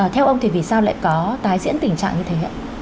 theo ông thì vì sao lại có tái diễn tình trạng như thế